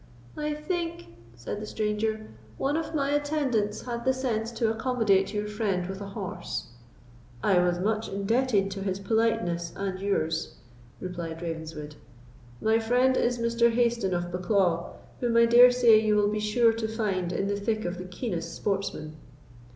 "I think," said the stranger, "one of my attendants had the sense to accommodate your friend with a horse." "I was much indebted to his politeness and yours," replied Ravenswood. "My friend is Mr. Hayston of Bucklaw, whom I dare say you will be sure to find in the thick of the keenest sportsmen.